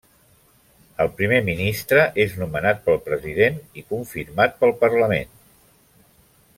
El Primer Ministre és nomenat pel president i confirmat pel parlament.